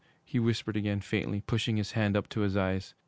he whispered again faintly, pushing his hand up to his eyes.